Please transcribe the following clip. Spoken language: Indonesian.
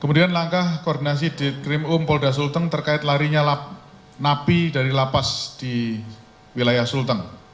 kemudian langkah koordinasi dekrim umpolda sulteng terkait larinya napi dari lapas di wilayah sulteng